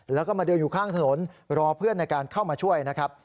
แล้วก็มาเดินอยู่ข้างถนนรอเพื่อนในการเข้ามาช่วยนะครับ